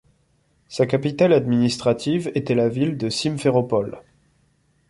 Sa capitale administrative était la ville de Simferopol.